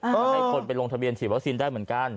ก็ให้คนไปลงทะเบียนฉีดวัคซีนได้เหมือนกัน